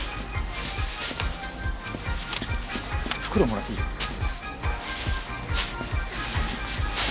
袋もらっていいですか？